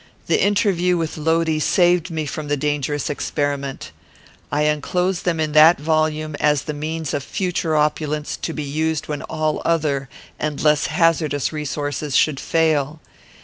The interview with Lodi saved me from the dangerous experiment. I enclosed them in that volume, as the means of future opulence, to be used when all other and less hazardous resources should fail.